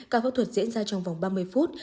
ca phẫu thuật diễn ra trong vòng ba mươi phút